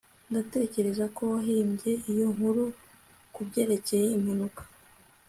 ndatekereza ko wahimbye iyo nkuru kubyerekeye impanuka